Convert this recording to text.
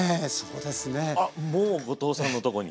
あっもう後藤さんのとこに。